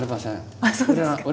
ああそうですか。